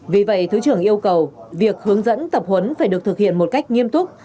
vì vậy thứ trưởng yêu cầu việc hướng dẫn tập huấn phải được thực hiện một cách nghiêm túc